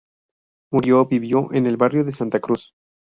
Murillo vivió en el barrio Santa Cruz.